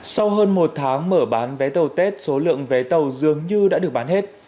sau hơn một tháng mở bán vé tàu tết số lượng vé tàu dường như đã được bán hết